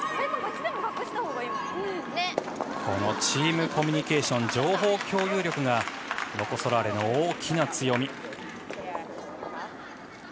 チームコミュニケーション情報共有力がロコ・ソラーレの大きな強み。